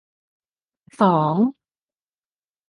สอง